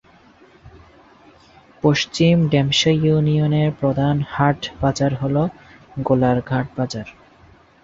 পশ্চিম ঢেমশা ইউনিয়নের প্রধান হাট/বাজার হল গোলার ঘাট বাজার।